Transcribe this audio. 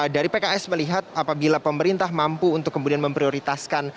dari pks melihat apabila pemerintah mampu untuk kemudian memprioritaskan